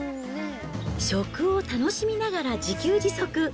食を楽しみながら自給自足。